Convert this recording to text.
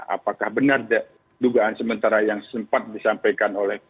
apakah benar dugaan sementara yang sempat disampaikan oleh